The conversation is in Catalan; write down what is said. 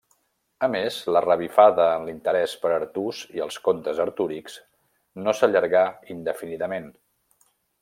A més, la revifada en l'interès per Artús i els contes artúrics no s'allargà indefinidament.